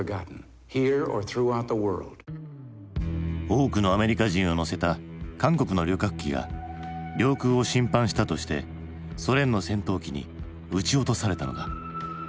多くのアメリカ人を乗せた韓国の旅客機が領空を侵犯したとしてソ連の戦闘機に撃ち落とされたのだ。